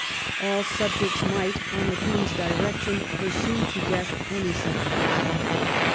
All subjects might, on the Queen's direction, pursue to death any such person.